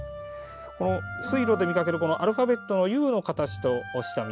水路で見かけるアルファベットのＵの形をした溝。